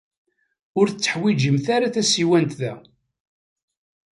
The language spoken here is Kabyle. Ur tetteḥwijimt ara tasiwant da.